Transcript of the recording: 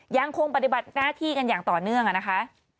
ยังคงปฏิบัติหน้าที่กันอย่างต่อเนื่องนะคะ